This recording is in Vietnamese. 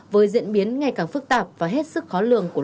với diễn biến ngày càng phức tạp và hết sức khó lường của